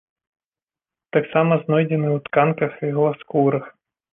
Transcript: Таксама знойдзены ў тканках ігласкурых.